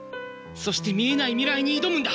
そして見えない未来に挑むんだ！